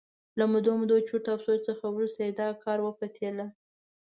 له مودو مودو چرت او سوچ څخه وروسته یې دا کار وپتېله.